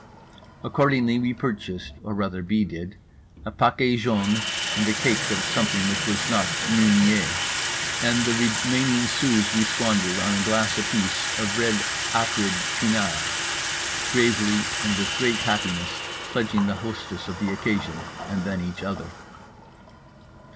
Accordingly we purchased (or rather B. did) a paquet jaune and a cake of something which was not Meunier. And the remaining sous we squandered on a glass apiece of red acrid pinard, gravely and with great happiness pledging the hostess of the occasion and then each other.